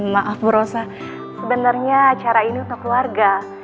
maaf bu rosa sebenarnya acara ini untuk keluarga